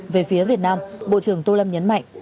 về phía việt nam bộ trưởng tô lâm nhấn mạnh